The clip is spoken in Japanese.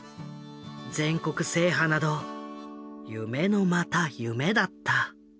全国制覇など夢のまた夢だった。